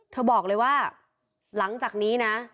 บอกเลยว่าหลังจากนี้นะ